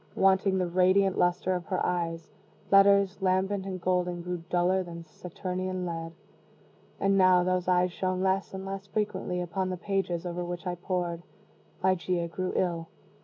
Wanting the radiant luster of her eyes, letters, lambent and golden, grew duller than Saturnian lead. And now those eyes shone less and less frequently upon the pages over which I pored. Ligeia grew ill.